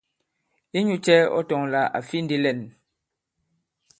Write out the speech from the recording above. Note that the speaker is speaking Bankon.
Inyūcɛ̄ ɔ tɔ̄ là à fi ndī lɛ᷇n?